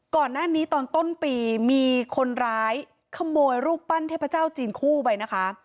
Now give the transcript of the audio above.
ก่อนหน้านี้ตอนต้นปีมีคนร้ายขโมยรูปปั้นเทพเจ้าจีนคู่ไปนะคะ